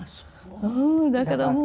うんだからもう。